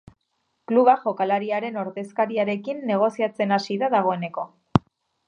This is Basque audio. Kluba jokalariaren ordezkariarekin negoziatzen hasi da dagoeneko.